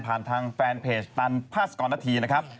ผ่านทางแฟนเพจตันพัสกรนาธีนะครับ